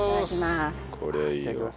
これいいわ。